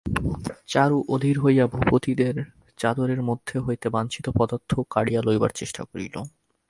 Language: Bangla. চারু অধীর হইয়া ভূপতির চাদরের মধ্য হইতে বাঞ্ছিত পদার্থ কাড়িয়া লইবার চেষ্টা করিল।